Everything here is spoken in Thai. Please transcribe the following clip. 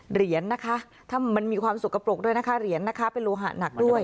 เหรียญนะคะถ้ามันมีความสกปรกด้วยนะคะเหรียญนะคะเป็นโลหะหนักด้วย